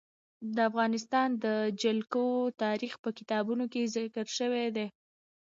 د افغانستان جلکو د افغان تاریخ په کتابونو کې ذکر شوی دي.